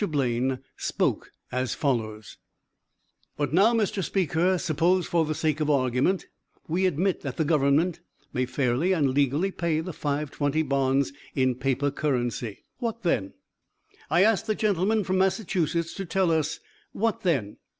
Blaine spoke as follows: "But, now, Mr. Speaker, suppose for the sake of argument, we admit that the Government may fairly and legally pay the Five twenty bonds in paper currency, what then? I ask the gentleman from Massachusetts to tell us, what then?